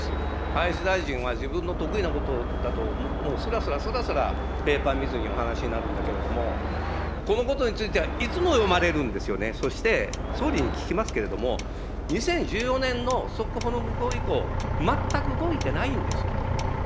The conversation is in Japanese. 林大臣は自分の得意なことだともうすらすらすらすら、ペーパー見ずにお話になるんだけれども、このことについては、いつも読まれるんですよね、そして総理に聞きますけれども、２０１４年のの以降、全く動いてないんですよね。